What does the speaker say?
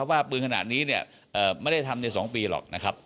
ว่าปืนขนาดนี้ไม่ได้ทำใน๒ปีหรอก